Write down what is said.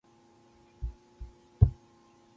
علي تل مست غوړه پیچکه ګرځي. غمونه یې ټول د پلار په سر دي.